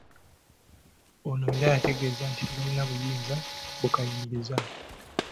Ono era yategeeza nti tebalina buyinza bukayimiriza.